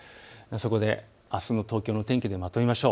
そこで、あすの東京の天気をまとめてみましょう。